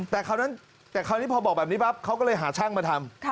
แต่คราวนี้พอบอกแบบนี้ปั๊บเขาก็เลยหาช่างมาทำ